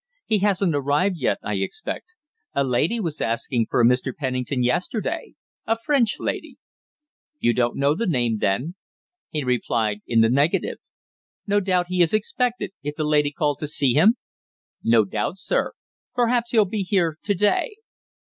"He hasn't arrived yet, I expect. A lady was asking for a Mr. Pennington yesterday a French lady." "You don't know the name, then?" He replied in the negative. "No doubt he is expected, if the lady called to see him?" "No doubt, sir. Perhaps he'll be here to day."